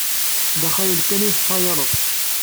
D axayel kan ay tettxayaleḍ.